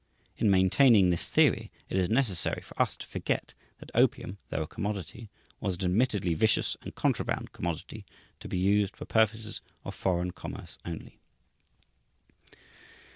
In maintaining this theory, it is necessary for us to forget that opium, though a "commodity," was an admittedly vicious and contraband commodity, to be used "for purposes of foreign commerce only."